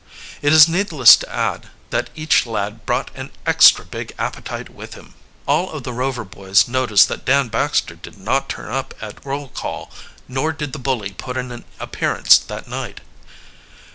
It is needless to add that each lad brought an extra big appetite with him. All of the Royer boys noticed that Dan Baxter did not turn up at roll call, nor did the bully put in an appearance that night.